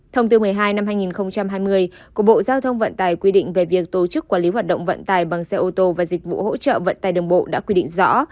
thông tư một mươi hai năm hai nghìn hai mươi của bộ giao thông vận tài quy định về việc tổ chức quản lý hoạt động vận tải bằng xe ô tô và dịch vụ hỗ trợ vận tài đường bộ đã quy định rõ